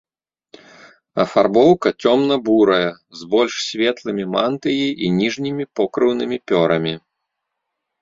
Афарбоўка цёмна-бурая, з больш светлымі мантыяй і ніжнімі покрыўнымі пёрамі.